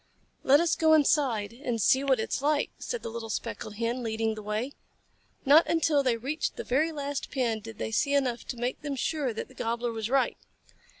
"Let us go inside and see what it is like," said the little Speckled Hen, leading the way. Not until they reached the very last pen did they see enough to make them sure that the Gobbler was right.